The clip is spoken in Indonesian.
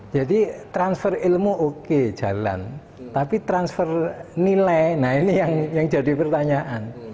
jadi transfer ilmu oke jalan tapi transfer nilai nah ini yang jadi pertanyaan